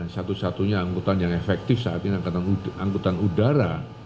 satu satunya angkutan yang efektif saat ini angkutan udara